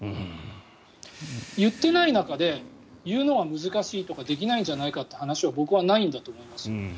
言ってない中で言うのは難しいとかできないんじゃないかって話は僕はないんだと思います。